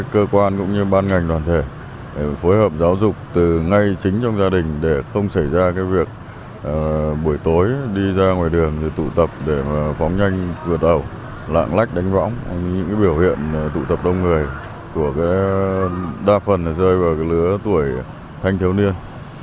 cơ quan cũng như ban ngành đoàn thể phối hợp giáo dục từ ngay chính trong gia đình để không xảy ra việc buổi tối đi ra ngoài đường tụ tập để phóng nhanh vượt đầu lạng lách đánh võng những biểu hiện tụ tập đông người của đa phần rơi vào lứa tuổi thanh thiếu niên